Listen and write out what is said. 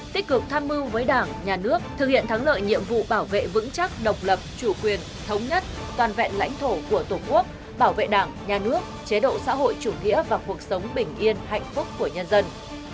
tích cực tham mưu với đảng nhà nước thực hiện thắng lợi nhiệm vụ bảo vệ vững chắc độc lập chủ quyền thống nhất toàn vẹn lãnh thổ của tổ quốc bảo vệ đảng nhà nước chế độ xã hội chủ nghĩa và cuộc sống bình yên hạnh phúc của nhân dân